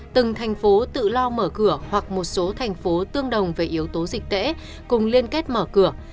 từng thành phố tự lo mở cửa hoặc một số thành phố tương đồng về yếu tố dịch tễ cùng liên kết mở cửa